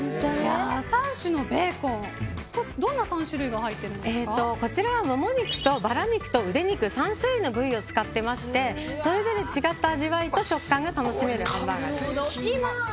３種のベーコンどんな３種類がこちらはモモ肉とバラ肉と腕肉３種類の部位を使っていましてそれぞれ違った味わいと食感が味わえるハンバーガーです。